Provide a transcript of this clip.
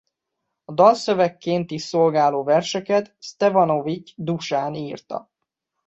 A dalszövegként is szolgáló verseket Sztevanovity Dusán írta.